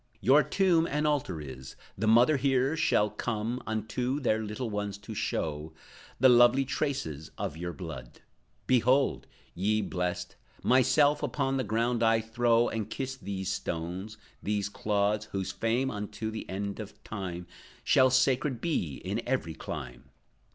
Your tomb an altar is; the mothers here Shall come, unto their little ones to show The lovely traces of your blood. Behold, Ye blessed, myself upon the ground I throw, And kiss these stones, these clods Whose fame, unto the end of time, Shall sacred be in every clime.